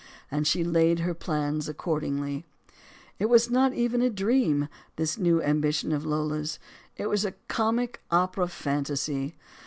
And she laid her plans accord ingly. It was not even a dream, this new ambition of Lola's. It was a comic opera fantasy.